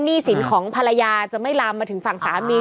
หนี้สินของภรรยาจะไม่ลามมาถึงฝั่งสามี